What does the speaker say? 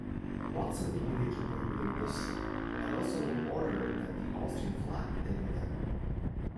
Watson immediately prohibited this but also orderered that the Austrian flag be taken down.